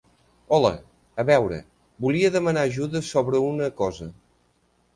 Hola, a veure, volia demanar ajuda sobre una una cosa.